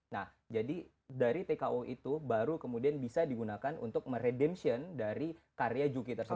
nah jadi dari tko itu baru kemudian bisa digunakan untuk meredemption dari karya juki tersebut